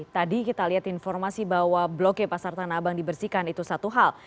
tadi kita lihat informasi bahwa blok g pasar tanah abang dibersihkan itu satu hal